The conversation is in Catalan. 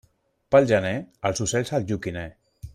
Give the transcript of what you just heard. Pel gener, els ocells al joquiner.